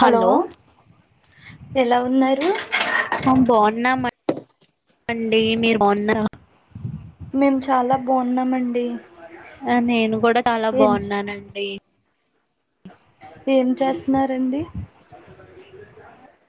hello ఎలా ఉన్నారు మేం బాగున్నామండి మీరు బాగున్నరా మేము చాలా బాగున్నామండి ఆ నేను కూడా చాలా ఏం బాగున్నానండి ఏం చేస్తున్నారండి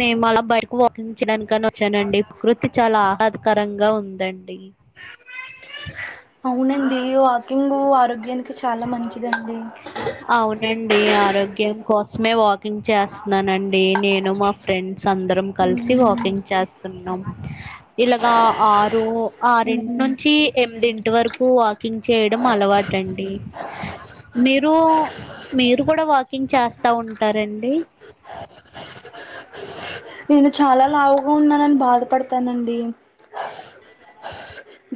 మేము అలా బైక్ వాకింగ్ చేయడనికనీ వచ్చానండి పకృతి చాలా ఆహ్లాదకరంగా ఉందండి అవునండి వాకింగ్ ఆరోగ్యానికి చాలా మంచిదండి అవునండి ఆరోగ్యం కోసమే వాకింగ్ చేస్తున్నానండి నేను మా ఫ్రెండ్స్ అందరం కలిసి వాకింగ్ చేస్ తున్నాం ఇలాగా ఆరు ఆరింటి నుంచి ఎనిమిదింటి వరకు వక్ కింగ్ చేయడం అలవాటండి మీరు మీరు కూడా వాకింగ్ చేస్తా ఉంటారండి నేను చాలా లావుగా ఉన్నానని బాధపడతానండి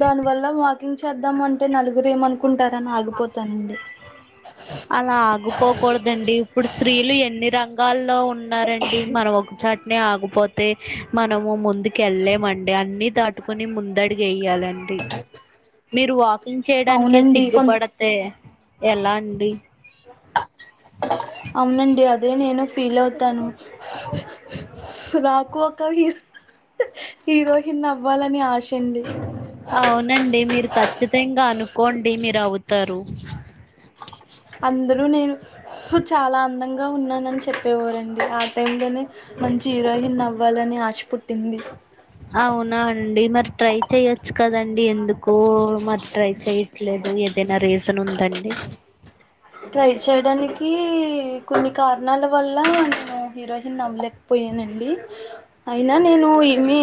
దాని వల్ల వాకింగ్ చేద్దామంటే నలుగురు ఏమనుకుంటారని ఆగిపోతానండి అలా ఆగిపోకూడదండి ఇప్పుడు స్త్రీలు ఎన్ని రంగాల్లో ఉన్నారండి మనం ఒక్ ఇచ్చట్నే ఆగిపోతే మనము ముందుకు వెళ్ళలేమండి అన్ని దాటుకుని ముందడుగు ఎయ్యా లండి మీరు వాక్ కింగ్ చేయడానికే అవునండి కొ సిగ్గుపడతే ఎలా అండి అవునండి అదే నేను ఫీల్ అవుతాను నాకు ఒక్ ఈరోజు నవ్వాలని ఆశ అండి అవునండి మీరు ఖచ్చితంగా అనుకోండి మీరు అవుతారు అందరూ నేను చాలా అందంగా ఉన్నానని చెప్పేవారండి ఆ టైంలోనే మంచి హీరోయిన్ అవ్వాలని ఆశ పుట్టింది అవునా అండి మరి ట్రై చేయచ్చు కదండి ఎందుకు మరి ట్రై చెయట్లేదు ఏద నా రీసన్ ఉందండి ట్రై చేయడానికి కొన్ని కారణాల వల్ల నేను హీరోహీన్ అవ్వలేకపోయ నండి అయినా నేను ఏమి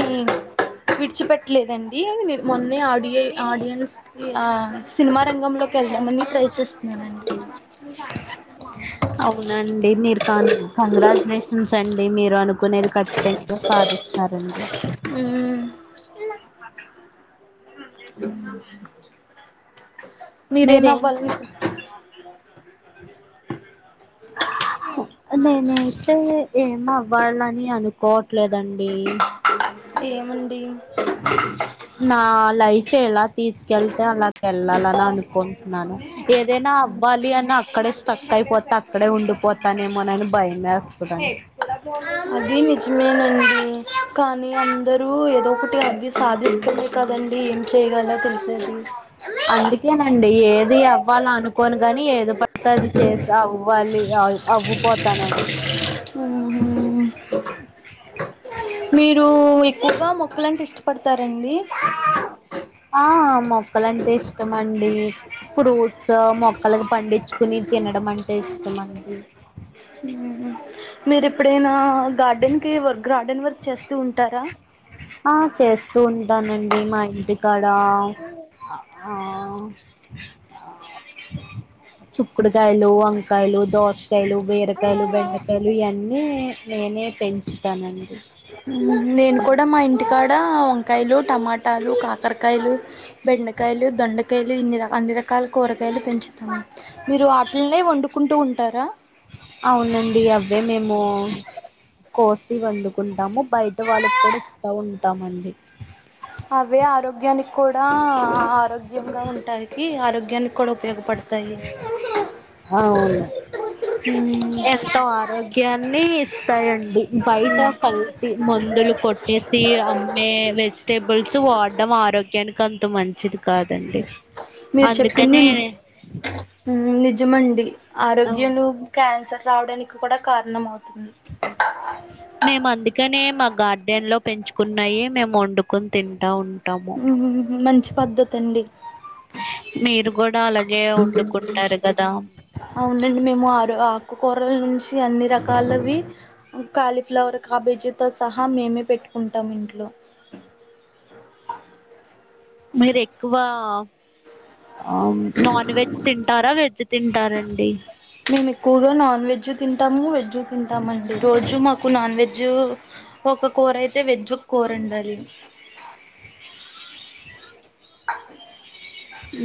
విడిచిపెట్టలేదండి అది మీ మొన్న ఆడి ఆడియన్స్ కి ఆ సినిమా రంగంలోకి వెళ్దామని ట్రై చేస్తున్నాను అండి అవున అండి మీరుకాన్ కం గ్రాజ్యులేషన్స్ అండి మీరు అనుకునేది ఖచ్చితంగా సాధిస్తారండి మ్మ్ మ్మ్ మ్మ్ మీరేమవ్వాలి అనుకున్ నేనైతే ఏమవ్వాలని అనుకోవట్లేదండి ఏమండి నా లైఫ్ ఎలా తీసుకెళ్తే అలా వెళ్ళాలని అనుకుంటున్నాను ఏదైనా అవ్వాలి అని అక్కడే స్టక్ అయిపోతే అక్కడే ఉండిపోతానేమోనని భయమేస్తదండి దానికెవలు చెప్పిర్రు అది నిజమేనండి కానీ అందరు ఏదో ఒకటి అవి సాధిస్తనే కదండి చేయలేన్ తెలిస్ అందుకేనండి ఏది అవ్వాల అనుకోను గాని ఏది ప తది చేసి అవ్వాలి అవ్వుపోతానండి ఆహ మీరు ఎక్కువగా మొక్కలంటే ఇష్టపడతారండి ఆ మొక్కలంటే ఇష్టమండి ఫ్రూట్స్ మొక్కలకు పండించుకుని తినడం అంటే ఇష్టమండి ఉ మీరు ఎప్పుడైనా గార్డెన్ కి వ గ్రార్డెన్ వర్క్ చేస్తూ ఉంటారా ఆ చేస్తూ ఉంటానండి మా ఇంటికాడ ఆ చుక్కుడుగాయలు వంకాయలు దోసకాయలు బీరకాయలు బెండకాయలు ఇయన్నీ నే నే పెంచుతానండి నేను కూడా మా ఇంటికాడ వంకాయలు టమాటాలు కాకరకాయలు బెండకాయలు దొండకాయలు ఇన్ని అన్ని రకాల కూరగాయలు పెంచుతాము మీరు వాటిలనే వండుకుంటూ ఉంటారా అవునండి అవే మేము కోసి వండుకుంటాము బయట వాళ్ళకి కూడా ఇస్తా ఉంటామండి అవే ఆరోగ్యానికి కూడా ఆరోగ్యంగా ఉంటాయికి ఆరోగ్యానికి కూడా ఉపయోగపడతాయి అవును ఉమ్ ఎంతో ఆరోగ్యాన్ని ఇస్తాయండి బయటా కల్తీ మందులు కొట్టేసి అమ్మే వెజిటేబుల్స్ వా ఆరోగ్యానికి అంత మంచిది కాదండి మీరు చెప్పింది అందుకనే నిజమండి ఆరోగ్యలు క్యాన్సర్ రావడానికి కూడా కారణం అవుతుంది మేమందుకనే మా గార్డెన్ లో పెంచుకున్నయే మేము వండుకొని తింటా ఉంటాము మంచి పద్ధతి అండి మీరు గూడా అలాగే వండుకుంటారు గదా అవునండి మేము ఆరు ఆకుకూరల నుంచి అన్ని రకాలవి కాలీఫ్లవర్ కాబేజీ తో సహా మేమే పెట్టుకుంటాం ఇంట్లో మీరెక్కువ ఆ నాన్ వెజ్ తింటారా వెజ్ తింటారండి మేము ఎక్కువగా నాన్ వెజ్ తిన్ టము వెజ్ తింటామండి రోజు మాకు నాన్ వెజ్ ఒక కూరైతే వెజ్ ఒక కూర ఎందాలి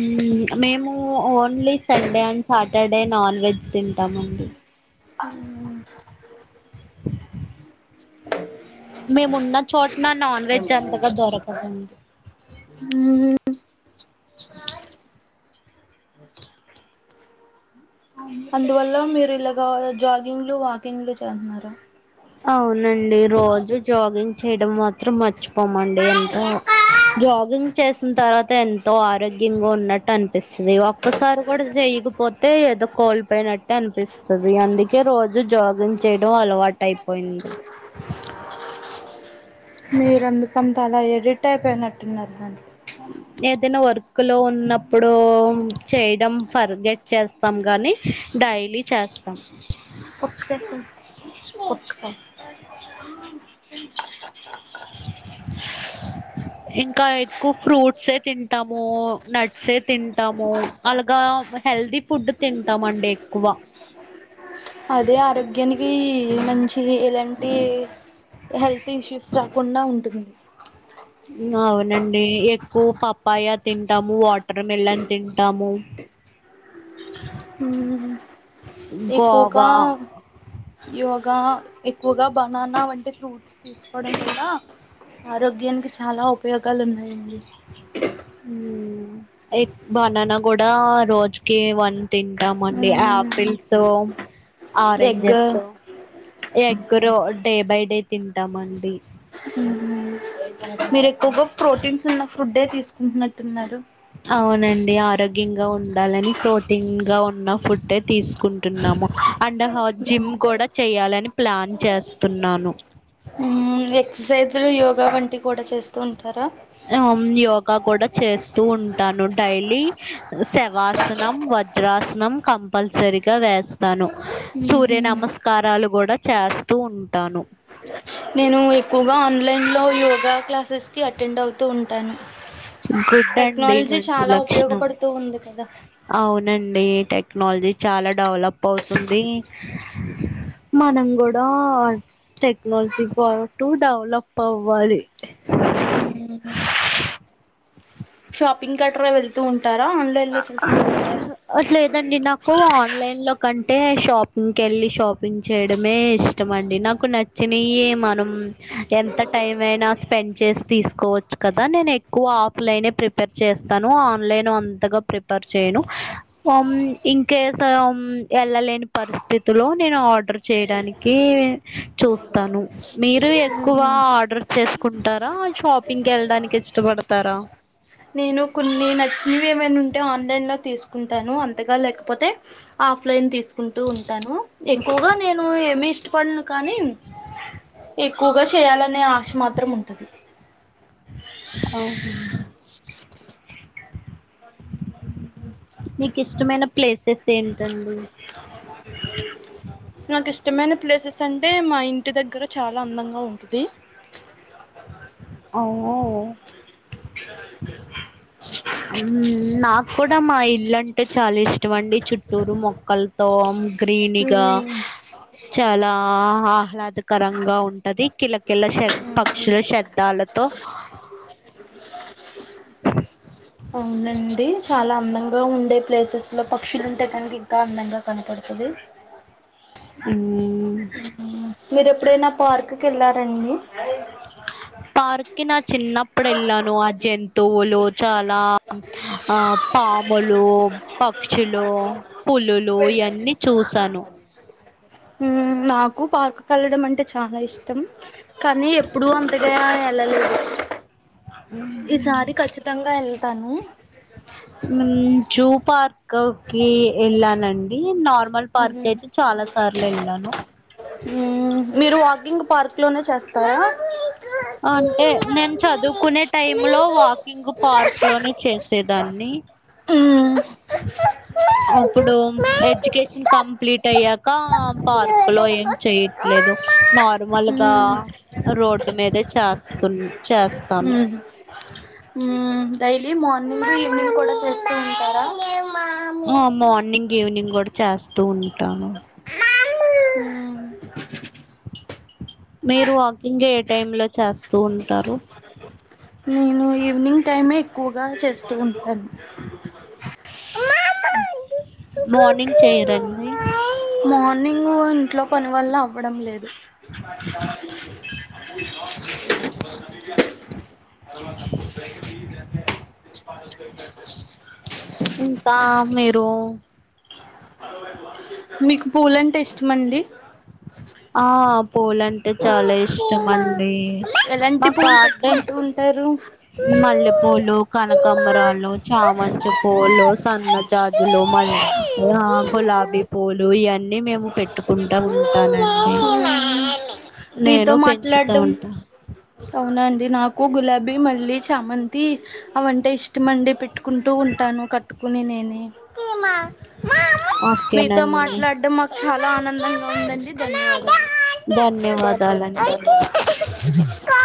మ్మ్ మేము only Sunday and Saturday non veg తింటామండి మ్మ్ మేమున్న చోట్న నాన్ వెజ్ అంతగా దొరకదండి మ్మ్ అందువల్ల మీరు ఇలాగా జాగింగ్లు వాకింగ్లు చేహ్నరా అవునండి రోజూ జాగింగ్ చేయడం మాత్రం మచ్ పోమండి ఎంతో జాగింగ్ చేసిన తర్వాత ఎన్ తో ఆరోగ్యంగా ఉన్నట్టు అనిపిస్తుది ఒక్కసారి గుడా చెయకపోతే ఏదో కోల్పోయిన అనిపిస్తుది అందుకే రోజు జాగింగ్ చేయడం అలవాటు పొయింద్ మీరందుకంతలా ఎడిట్ అయిపోయినట్టున్నారు దాని ఏదైనా వర్క్ లో ఉన్నప్పుడు చెయడం ఫర్గెట్ చేస్తాం గా డైలీ చేస్తా ఇంకా ఫ్రూట్ సే తింటాము నట్స్ సే తింటాము అలాగా హెల్దీ ఫుడ్ తింటామండి ఎక్కువ అదే ఆరోగ్యానికి మంచి ఎలాంటి హెల్త్ ఇష్యూస్ రాకుండా ఉంటుంది అవునండి ఎక్కువ పప్పాయ తింటాము వాటర్ మెలన్ తింటాము అ ఎకుగా గోవా యోగా ఎక్కువగా బనానా వంటి ఫ్రూట్స్ తీసుకోవడం కూడా ఆరోగ్యానికి చాలా ఉపయోగాలు ఉన్నాయండి హ బనానా కూడా రోజుకి వన్ తింటాం అండి ఆపిల్స్ అ ఆరెంజెస్ ఎగ్గుడ్లు డే బై డే తింటామండి మీరు ఎక్కువగా ప్రోటీన్స్ ఉన్న ఫుడ్డే తీసుకుంటున్నట్టున్నారు అవునండి ఆరోగ్యంగా ఉండాలని ప్రోటీన్ గా ఉన్న ఫుడ్ తీసుకుంటున్నాం అండ్ జిమ్ కూడా చెయాలని ప్లాన్ చేస్తున్నాను అ కూడా చేస్తూ ఉంటారా ఆ యోగా కూడా చేస్తూ ఉంటాను డైలీ శవాసనం వజ్రాసనం కంపల్సరిగా వేస్తాను సూర్య నమస్కారాలు కూడా చేస్త వస్తూ ఉంటాను నేను ఎక్కువగా ఆన్లైన్లో యోగా క్లాసెస్కి అటెండ్ అవుతూ ఉంటాను గుడ్ అండి టెక్నాలజీ మంచి చాలా లక్షణం ఉపయోగపడుతూ ఉంది కదా అవును ండి టెక్నాలజీ చాలా డెవలప్ అవుతుంది మనం కూడా టెక్నాలజీ పాటు డెవలప్ అవ్వాలి ఉ షాపింగ్ కట్టరా వెళ్తు ఉన్ అట్లాదండి నాకు ఆన్లైన్ లో కంటే షాపింగ్కి వెళ్ళి షాపింగ్ చేయడమే ఇష్టం అండి నాకు నచ్చినవి మనం ఎంత టైం అయినా స్పెండ్ చేసి తీసుకోవచ్చు కదా నేను ఎక్కువ ఆప్లైనే ప్రిపేర్ చేస్తాను ఆన్లైన్ ప్రిపేర్ చేయను ఇంకేస్ వెళ్ళలేని పరిస్థితిలో నేను ఆర్డర్ చేయడానికి చూస్తాను మీరు ఎక్కువ ఆర్డర్ చే కుంటారా షాపింగ్కి వెళ్ళడానికి ఇష్టపడతారా నేను కొన్ని నచ్చినవి ఏమైనా ఉంటే ఆన్లైన్ లో తీసుకుంటాను అంతగా లేకపోతే ఆఫ్లైన్ తీసుకుంటూ ఉంటాను ఎక్కువగా నేను ఏమిీ ఇష్టపడను కానీ ఎక్కువగా చేయాలనే ఆశ మాత్రం ఉంటది అఓహ [unintelligible] నీకు ఇష్టమైన ప్లేసెస్ ఏంటండి ద నాకు ఇష్టమైన ప్లేసెస్ అంటే మా ఇంటి దగ్గర చాలా అందంగా ఉంటుది ఓ నాకు కూడా మా ఇల్లు అంటే చాలా ఇష్టం అండి చుట్టూరు మొక్కలతో క్రీనిగా ఉమ్ చాలా ఆహ్లాద కరంగా ఉంటది కిల కిల్ల పక్షుల శబ్దాలతో అవునండి చాలా అందంగా ఉ ఇండే ప్లేసెస్ లో పక్షులు ఉంటే కనుక ఇంకా అందంగా కనపడుతుంది అవు మీర ఎప్పుడైనా పార్క్కి వెళ్లారండి పార్కి నా చిన్నప్పుడు ఎలానో అజ ఎంత పోళ చాలా ఆ పాములు పక్షులు పులులు ఇవన్నీ చూసాను మ్మ్ నాకు పార్కుకు వెళ్లడం అంటే చాలా ఇష్టం కానీ ఎప్పుడు అంతగా వెళ్ళలేదు ఈసారి ఖచ్చితంగా వెళ్తాను జూ పార్క్ వెళ్ళానండి నార్త్ మల్ పార్క్ అయితే చాలా సార్లు వెళ్ళాను మీరు వాకింగ్ పార్క్లోనే చేస్తారా అంటే నేను చదువుకునే టైమ్ లో మ్మ్ వాకింగ్ పార్క్ లోనే చేసేదాన్ని ఇ అప్పుడు ఎడ్యుకేషన్ కంప్లీట్ అయ్యాక పార్క్ లో ఏం చెయట్లేదు లేదు నార్మల్గా రోడ్డు మీదే చేస్తున్న చేస్తాను మ్మ్ డైలీ మార్నింగ్ ఈవినింగ్ కూడా చేస్తూ ఉంటారా ఆ మార్నింగ్ ఈవినింగ్ కూడ చేస్తూ ఉంటాను మీరు వాకింగ్ ఏ టైమ్ లో చేస్తూ ఉంటారు నేను ఈవినింగ్ టైమే ఎక్కువగా చేస్తూ ఉంటాను మార్నింగ్ చేయరండి మార్నింగ్ ఇంట్లో పని వల్ల అవ్వడం లేదు చ అ అ ఇంత మరు మీకు పూలంటే ఇష్టమ అండి ఆ పూల అంటే చాలా ఇష్టం అండి ఎలాంటి మాకు పూలు ఆడే పెట్టుకుంటూ ఉంటారు మల్లెపూలు కనకంబరాలు చామంచ పూలు సన్న జాజులు గులాబీ పూలు ఇవన్నీ మేము పెట్టుకుంటా ఉంటానం మీతో పెంచుతూ మాట్లాడడం ఉంటా అవునండి నాకు గులాబీ మల్ళీ చామంతి అవంటే ఇష్టంమండి పెట్టుకుంటూ ఉంటాను కట్టు నే మీతో ఓకేనండి మాట్లాడడం మా చాలా ఆనందంగా ఉందండి ధన్యవాదాలు ధన్యవాదాలండి కా